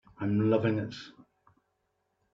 I'm loving it.